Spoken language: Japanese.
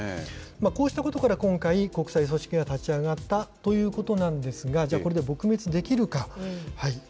こうしたことから今回、国際組織が立ち上がったということなんですが、じゃあ、これで撲滅できるか。